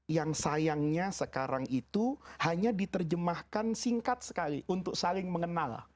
yang sayangnya sekarang itu hanya diterjemahkan singkat sekali untuk saling mengenal